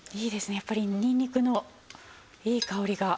やっぱりにんにくのいい香りが。